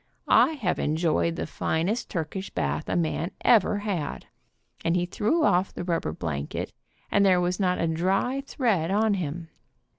I have enjoyed the finest Turkish bath a man ever had," and he threw off the rubber blanket and there was not a dry thread on him.